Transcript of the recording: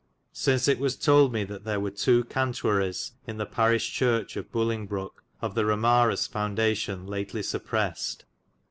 Syns it was told me that there were 2. cantuaris in the paroche churche of BuUyngbroke of the Romares fundation latly supressyd.